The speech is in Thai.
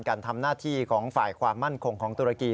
การทำหน้าที่ของฝ่ายความมั่นคงของตุรกี